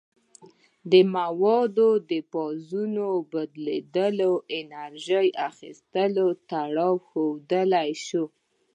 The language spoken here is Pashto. د موادو د فازونو بدلیدو او انرژي اخیستلو تړاو ښودل شوی.